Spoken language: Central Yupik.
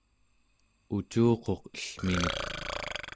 ucuquq ellminek